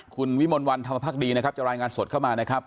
คุณวิมลวันธรรมภักดีนะครับจะรายงานสดเข้ามานะครับ